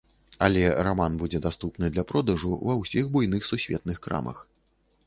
Але раман будзе даступны для продажу ва ўсіх буйных сусветных крамах.